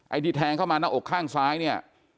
ที่แทงเข้ามาหน้าอกข้างซ้ายเนี่ย